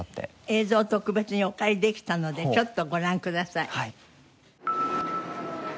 映像を特別にお借りできたのでちょっとご覧ください。